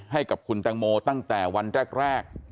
ให้กับคุณตังโมตั้งแต่วันแรก